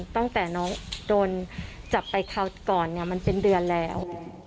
ตั้งแต่น้องโดนจับไปคราวก่อนมันเป็นเดือนแล้ว